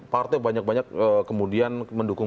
partai banyak banyak kemudian mendukung